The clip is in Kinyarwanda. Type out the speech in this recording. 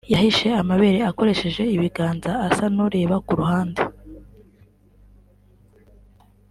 yahishe amabere akoresheje ibiganza asa n’ureba kuruhande